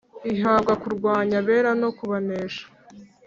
Ihabwa kurwanya abera no kubanesha,